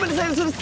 す